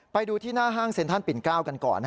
ไปดูที่หน้าห้างเซลตั้นปิ่นเก้ากันก่อน